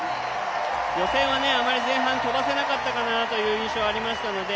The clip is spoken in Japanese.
予選はあまり前半飛ばせなかったかなという印象ありましたので